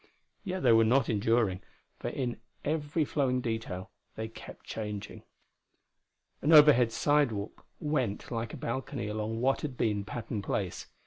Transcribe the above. Yet they were not enduring, for in every flowing detail they kept changing. An overhead sidewalk went like a balcony along what had been Patton Place.